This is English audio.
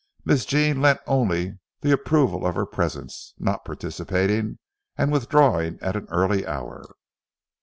Miss Jean lent only the approval of her presence, not participating, and withdrawing at an early hour.